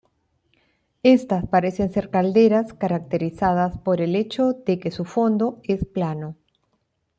Estas parecen ser calderas caracterizadas por el hecho de que su fondo es plano.